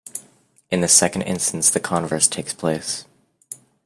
In the second instance, the converse takes place.